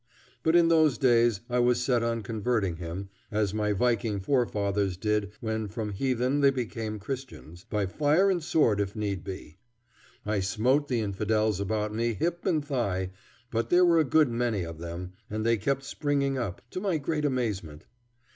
But in those days I was set on converting him, as my viking forefathers did when from heathen they became Christians by fire and sword if need be. I smote the infidels about me hip and thigh, but there were a good many of them, and they kept springing up, to my great amazement.